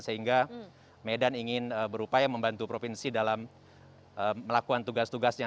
sehingga medan ingin berupaya membantu provinsi dalam melakukan tugas tugasnya